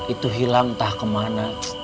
itu hilang entah kemana